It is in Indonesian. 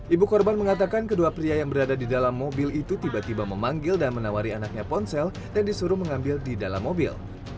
ibu korban mengatakan kedua pria yang berada di dalam mobil itu tiba tiba memanggil dan menawari anaknya ponsel dan disuruh mengambil di dalam mobil